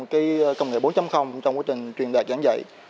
cái công nghệ bốn trong quá trình truyền đạt giảng dạy